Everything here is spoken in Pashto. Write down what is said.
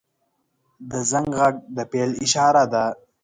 • د زنګ غږ د پیل اشاره ده.